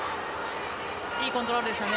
いいコントロールでしたね。